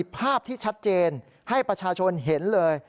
ภาพที่ชัดเจนให้ประชาชนเห็นเลย